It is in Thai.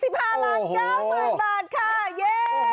๕๐๐๐บาทค่ะเย้